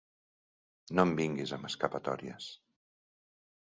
No em vinguis amb escapatòries.